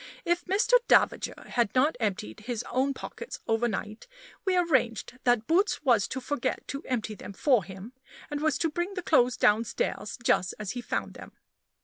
If Mr. D had not emptied his own pockets overnight, we arranged that Boots was to forget to empty them for him, and was to bring the clothes downstairs just as he found them.